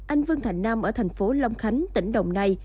anh vương thành nam ở thành phố long khánh tỉnh đồng nai